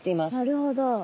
なるほど。